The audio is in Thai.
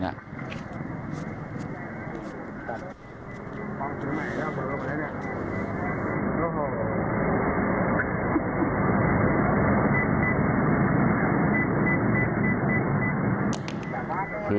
โอเค